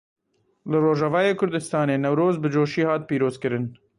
Li Rojavayê Kurdistanê Newroz bi çoşî hat pîrozkirin.